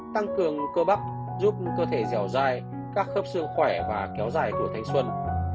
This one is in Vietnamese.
tăng cường cơ bắp giúp cơ thể dẻo dai các khớp sơ khỏe và kéo dài tuổi thanh xuân